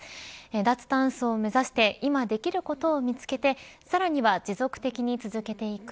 脱炭素を目指して今できることを見つけてさらには持続的に続けていく。